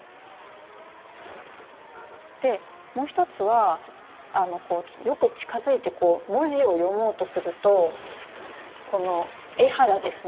でもう一つはよく近づいてこう文字を読もうとするとこの絵肌ですね。